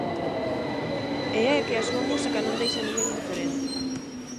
E é que a súa música non deixa a ninguén indiferente.